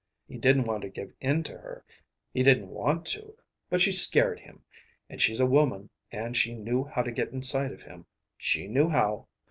He didn't want to give in to her he didn't want to; but she scared him, and she's a woman and she knew how to get inside of him she knew how.